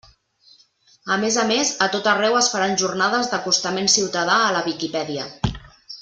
A més a més, a tot arreu es faran jornades d'acostament ciutadà a la Viquipèdia.